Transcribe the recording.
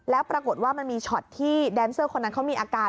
แล้วปรากฏว่ามันมีช็อตที่แดนเซอร์คนนั้นเขามีอาการ